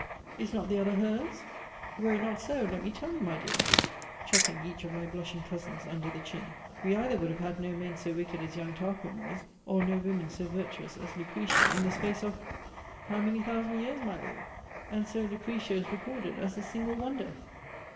Is not the other her's? Were it not so, let me tell you, my dears, chucking each of my blushing cousins under the chin, we either would have had no men so wicked as young Tarquin was, or no women so virtuous as Lucretia, in the space of How many thousand years, my Lord? And so Lucretia is recorded as a single wonder!